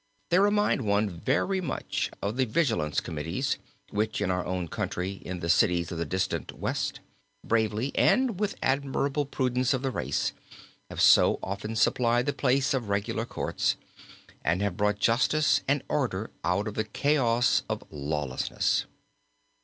They remind one very much of the vigilance committees, which in our own country, in the cities of the distant West, bravely and with the admirable prudence of the race, have so often supplied the place of regular courts and have brought justice and order out of the chaos of lawlessness.